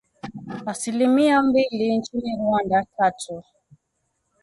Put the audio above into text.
Asilimia mbili nchini Rwanda, tatu.